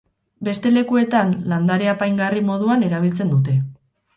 Beste lekuetan landare apaingarri moduan erabiltzen dute.